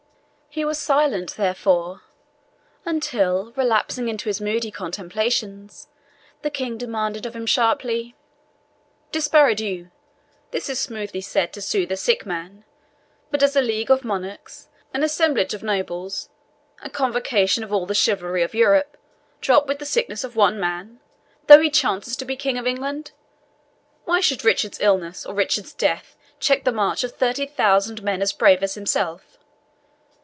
He was silent, therefore, until, relapsing into his moody contemplations, the King demanded of him sharply, "Despardieux! This is smoothly said to soothe a sick man; but does a league of monarchs, an assemblage or nobles, a convocation of all the chivalry of Europe, droop with the sickness of one man, though he chances to be King of England? Why should Richard's illness, or Richard's death, check the march of thirty thousand men as brave as himself?